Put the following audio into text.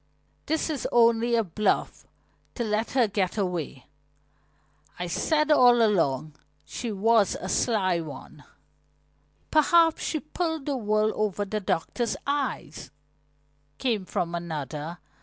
"This is only a bluff to let her get away. I said all along she was a sly one." "Perhaps she pulled the wool over the doctor's eyes," came from another.